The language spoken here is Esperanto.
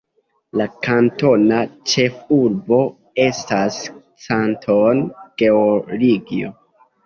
La kantona ĉefurbo estas Canton, Georgio.